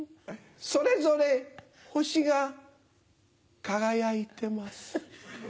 それぞれ星が輝いてます。